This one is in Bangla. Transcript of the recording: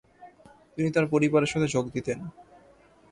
তিনি তার পরিবারের সাথে যোগ দিতেন।